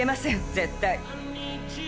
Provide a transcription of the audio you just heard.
絶対。